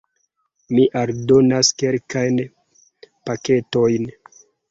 Mi aldonas kelkajn paketojn: